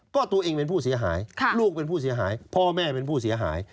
ก็ตัวเองเป็นผู้เสียหายลูกเป็นผู้เสียหายพ่อแม่เป็นผู้เสียหาย